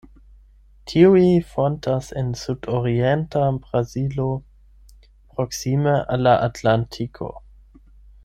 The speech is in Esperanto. Tiuj fontas en sudorienta Brazilo, proksime al la Atlantiko.